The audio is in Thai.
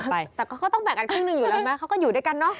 แต่ก็ต้องแบ่งกันครึ่งหนึ่งอยู่แล้วไหมเขาก็อยู่ด้วยกันเนอะ